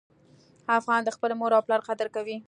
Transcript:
افغان د خپلې مور او پلار قدر کوي.